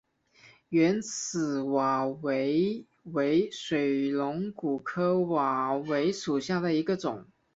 圆齿瓦韦为水龙骨科瓦韦属下的一个种。